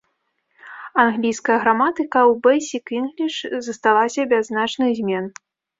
Англійская граматыка ў бэйсік-інгліш засталася без значных змен.